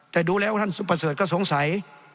แต่ดูแล้วท่านประเสริฐก็สงสัย